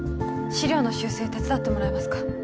資料の修正手伝ってもらえますか？